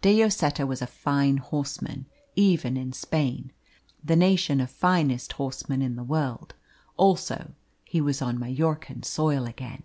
De Lloseta was a fine horseman even in Spain, the nation of finest horsemen in the world; also he was on Majorcan soil again.